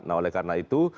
nah oleh karena itu